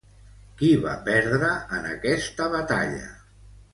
Qui va perdre en aquesta batalla?